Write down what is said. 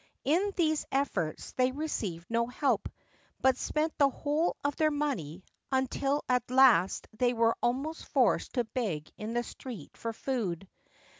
In these efforts they received no help, but spent the whole of their money, until at last they were almost forced to beg in the street for food.